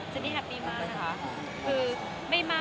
เจนนี่แฮปปี้มากนะคะ